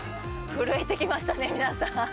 震えて来ましたね皆さん。